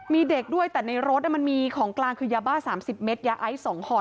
มีเด็กด้วยแต่ในรถอ่ะมันมีของกลางคือยาบ้าสามสิบเมตรยาไอท์สองฮอล์